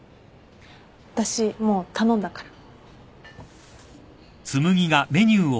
私もう頼んだから。